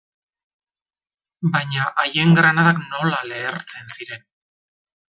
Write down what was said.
Baina haien granadak nola lehertzen ziren.